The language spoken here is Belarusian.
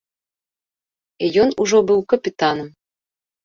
Ён ужо быў капітанам.